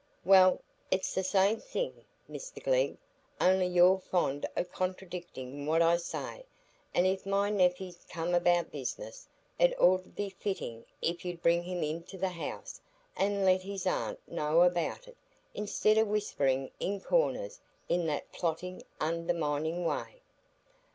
"Well, it's the same thing, Mr Glegg, only you're fond o' contradicting what I say; and if my nephey's come about business, it 'ud be more fitting if you'd bring him into the house, and let his aunt know about it, instead o' whispering in corners, in that plotting, underminding way."